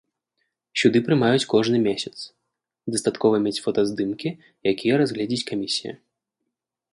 Сюды прымаюць кожны месяц, дастаткова мець фотаздымкі, якія разгледзіць камісія.